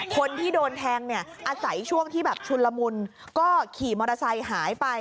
คนที่โดนแทงเนี่ยอาศัยช่วงที่แบบชุนละมุนก็ขี่มอเตอร์ไซค์หายไป